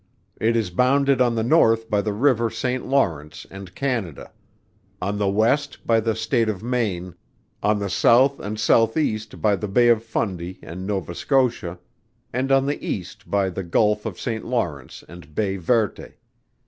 It is bounded on the North by the river St. Lawrence and Canada, on the West by the State of Maine, on the South and Southeast by the Bay of Fundy and Nova Scotia, and on the East by the Gulf of St. Lawrence and Bay Verte.